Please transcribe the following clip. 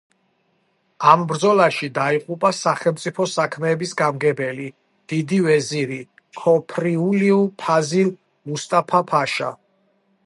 ამ ბრძოლაში დაიღუპა სახელმწიფო საქმეების გამგებელი, დიდი ვეზირი ქოფრიულიუ ფაზილ მუსტაფა-ფაშა.